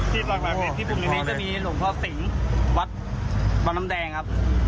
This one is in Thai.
ที่หลักที่ผมรับถือก็มีหลวงพ่อสิงห์วัดวันน้ำแดงครับ